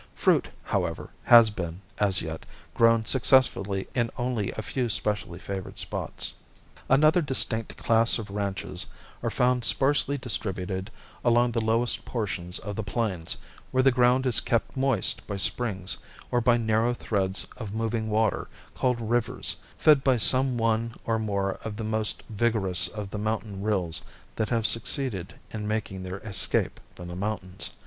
Fruit, however, has been, as yet, grown successfully in only a few specially favored spots. Another distinct class of ranches are found sparsely distributed along the lowest portions of the plains, where the ground is kept moist by springs, or by narrow threads of moving water called rivers, fed by some one or more of the most vigorous of the mountain rills that have succeeded in making their escape from the mountains.